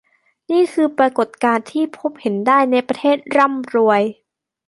นี่คือปรากฏการณ์ที่พบเห็นได้ในประเทศร่ำรวย